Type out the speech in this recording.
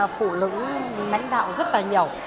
phụ nữ lãnh đạo rất là nhiều